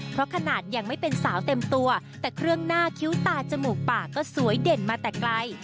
เพราะขนาดยังไม่เป็นสาวเต็มตัวแต่เครื่องหน้าคิ้วตาจมูกปากก็สวยเด่นมาแต่ไกล